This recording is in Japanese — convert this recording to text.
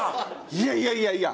いやいやいやいや！